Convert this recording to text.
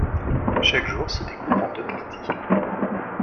Chaque jour se découpe en deux parties.